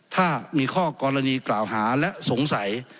ถ้ามีข้อกรณีกล่าวหาและสงสัย